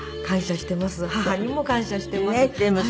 義母にも感謝しています。